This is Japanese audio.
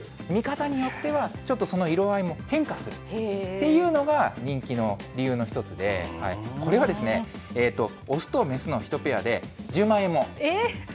これ、見る、見方によってはちょっとその色合いも変化するっていうのが人気の理由の一つで、これは雄と雌の１ペアで１０万円もす